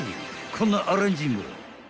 こんなアレンジも］